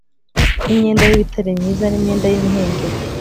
n’imyenda y’ibitare myiza n’imyenda y’imihengeri,